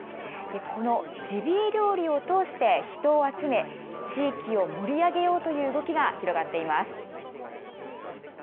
このジビエ料理を通して人を集め地域を盛り上げようという動きが広がっています。